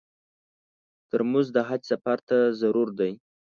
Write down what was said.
ترموز د حج سفر ته ضرور دی.